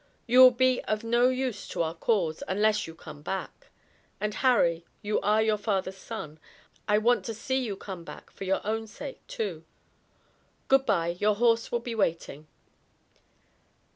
You will be of no use to our cause unless you come back. And, Harry, you are your father's son; I want to see you come back for your own sake, too. Good bye, your horse will be waiting."